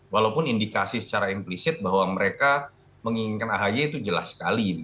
walaupun indikasi secara implisit bahwa mereka menginginkan ahy itu jelas sekali